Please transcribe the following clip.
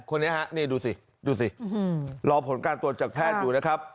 คนนี้ฮะนี่ดูสิดูสิรอผลการตรวจจากแพทย์อยู่นะครับ